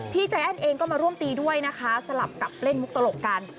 ใจแอ้นเองก็มาร่วมตีด้วยนะคะสลับกับเล่นมุกตลกกัน